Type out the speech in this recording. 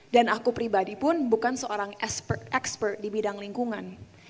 dan aku pribadi pun bukan seorang expert di bidang lingkungan